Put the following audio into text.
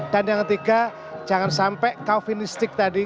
dan yang ketiga jangan sampai kau finistik tadi